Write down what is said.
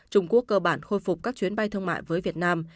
trung quốc cơ bản khôi phục các chuyến bay thương mại với việt nam